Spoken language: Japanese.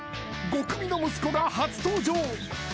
［ゴクミの息子が初登場］